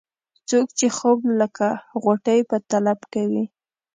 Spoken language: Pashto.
څوک چې خوب لکه غوټۍ په طلب کوي.